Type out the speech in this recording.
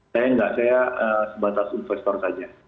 saya enggak saya sebatas investor saja